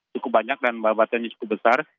cukup banyak dan babatannya cukup besar